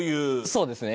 そうですね。